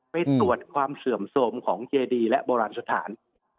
ไปตรวจความเสื่อมโทรมของเจดีและโบราณสถาน